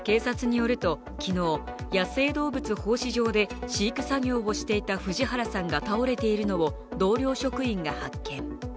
野生動物放飼場で飼育作業をしていた藤原さんが倒れているのを同僚職員が発見。